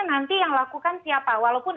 nanti yang lakukan siapa walaupun